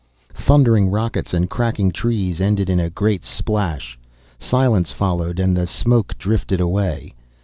Thundering rockets and cracking trees ended in a great splash. Silence followed and the smoke drifted away.